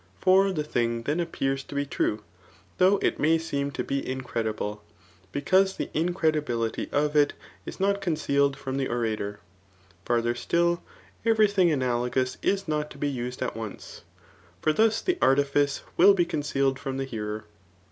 For the thing then appears to be true, [though it may seem to be incrediblej because the incredibility of it is not con cealed from the orator. Farther still, every thing analo gous is not to be used at once ; for thus the artifice will be concealed from the hearer.